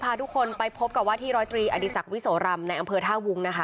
พาทุกคนไปพบกับว่าที่ร้อยตรีอดีศักดิวิโสรำในอำเภอท่าวุ้งนะคะ